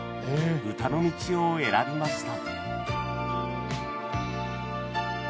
歌の道を選びました